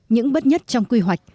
những bất nhất trong quy hoạch